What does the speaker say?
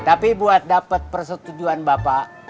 tapi buat dapat persetujuan bapak